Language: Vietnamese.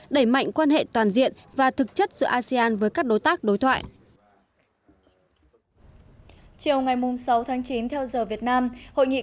đẩy mạnh quan hệ toàn diện và thực chất giữa asean với các đối tác đối thoại